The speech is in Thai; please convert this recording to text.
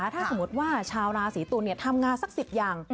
ถือว่าชาวราศรีตุลเนี่ยทำงานสัก๑๐อย่าง